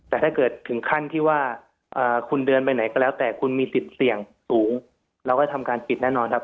แต่ถ้าเกิดถึงขั้นที่ว่าคุณเดินไปไหนก็แล้วแต่คุณมีสิทธิ์เสี่ยงสูงเราก็ทำการปิดแน่นอนครับ